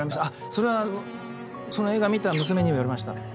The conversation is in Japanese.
それはその映画見た娘にも言われました。